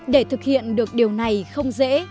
để thực hiện được điều này không dễ